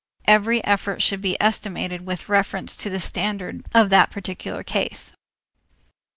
Every effort should be estimated with reference to the standard of the particular case.